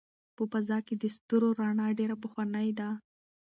په فضا کې د ستورو رڼا ډېره پخوانۍ ده.